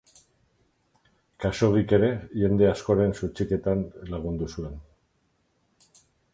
Khaxoggik ere jende askoren suntsiketan lagundu zuen.